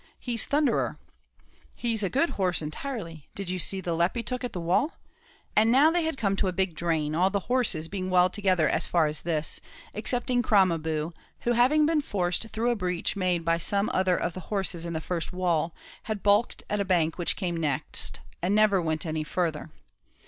He's Thunderer he's a good horse intirely; did you see the lep he took at the wall?" and now they had come to a big drain; all the horses being well together as far as this, excepting Crom a boo, who having been forced through a breach made by some other of the horses in the first wall, had baulked at a bank which came next, and never went any further.